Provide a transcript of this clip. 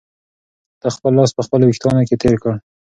ده خپل لاس په خپلو وېښتانو کې تېر کړ.